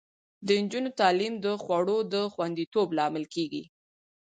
د نجونو تعلیم د خوړو د خوندیتوب لامل کیږي.